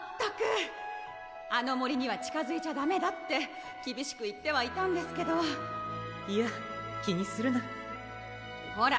あの森には近づいちゃダメだってきびしく言ってはいたんですけどいや気にするなほら！